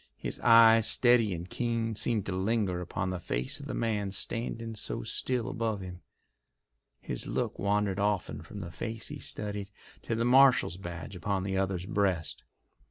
His eyes, steady and keen, seemed to linger upon the face of the man standing so still above him. His look wandered often from the face he studied to the marshal's badge upon the other's breast.